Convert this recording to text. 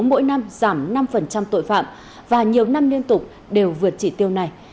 mỗi năm giảm năm tội phạm và nhiều năm liên tục đều vượt chỉ tiêu này